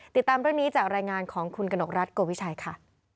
ติดตามเรื่องนี้จากรายงานของคุณกนกรัฐโกวิชัยค่ะ